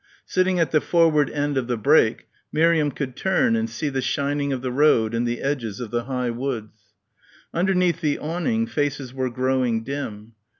Sitting at the forward end of the brake, Miriam could turn and see the shining of the road and the edges of the high woods. Underneath the awning, faces were growing dim.